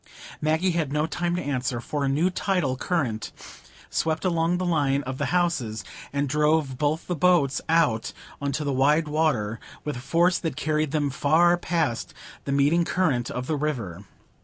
Maggie had no time to answer, for a new tidal current swept along the line of the houses, and drove both the boats out on to the wide water, with a force that carried them far past the meeting current of the river.